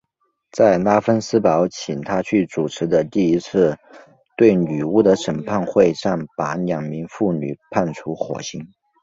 在拉芬斯堡请他去主持的第一次对女巫的审判会上他把两名妇女判处火刑。